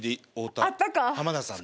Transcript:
浜田さんの。